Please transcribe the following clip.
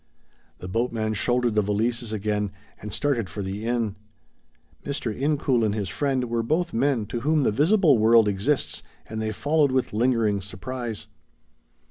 The boatman shouldered the valises again, and started for the inn. Mr. Incoul and his friend were both men to whom the visible world exists and they followed with lingering surprise.